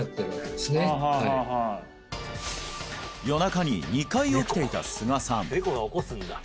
夜中に２回起きていた菅さん